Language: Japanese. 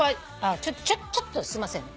ちょっとすいません。